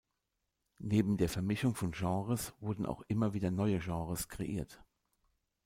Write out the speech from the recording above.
Neben der Vermischung von Genres werden auch immer wieder neue Genres kreiert.